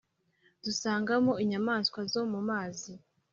dusangamo inyamaswa zo mu mazi.